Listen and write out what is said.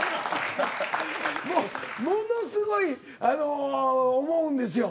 ものすごい思うんですよ。